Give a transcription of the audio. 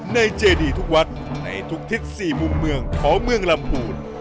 เจดีทุกวัดในทุกทิศ๔มุมเมืองของเมืองลำพูน